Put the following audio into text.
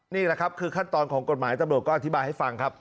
นี่แหละครับคือขั้นตอนของกฎหมายตำรวจก็อธิบายให้ฟังครับ